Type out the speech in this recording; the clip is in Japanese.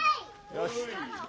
よし。